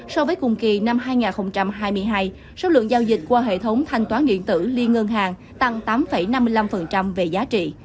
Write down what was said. so với cùng kỳ năm hai nghìn hai mươi hai số lượng giao dịch qua hệ thống thanh toán điện tử liên ngân hàng tăng tám năm mươi năm về giá trị